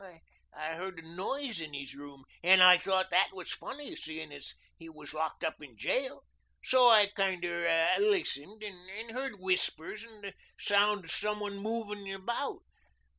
I heard a noise in his room, and I thought that was funny, seeing as he was locked up in jail. So I kinder listened and heard whispers and the sound of some one moving about.